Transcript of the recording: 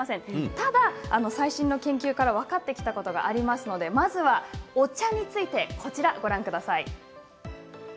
ただ最新の研究から分かってきたことがありますのでまずはお茶についてご覧ください。